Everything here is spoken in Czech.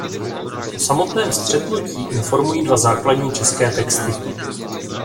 O samotném střetnutí informují dva základní české texty.